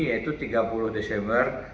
yaitu tiga puluh desember